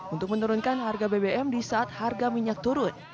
untuk menurunkan harga bbm di saat harga minyak turun